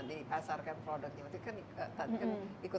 dipasarkan produknya itu kan ikut pasangnya